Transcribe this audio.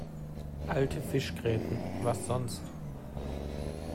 Alte Fischgräten, was sonst?